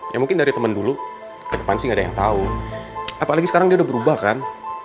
ya mungkin dari temen dulu ke depan sih nggak ada yang tahu apalagi sekarang dia udah berubah kan